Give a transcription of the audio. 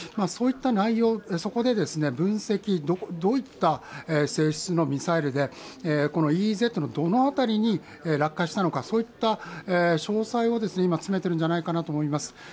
そういった内容、そこで分析どういった性質のミサイルでＥＥＺのどの辺りに落下したのか、そういった詳細を今、詰めているんじゃないかなと思います。